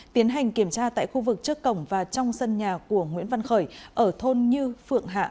tiến hành kiểm tra tại khu vực trước cổng và trong sân nhà của nguyễn văn khởi ở thôn như phượng hạ